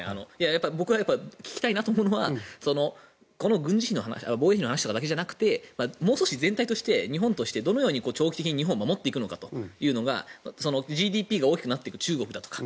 僕は聞きたいなと思うのはこの防衛費の話だけじゃなくてもう少し全体として日本としてどうやって長期的に日本を守っていくのかがＧＤＰが大きくなっていく中国だとか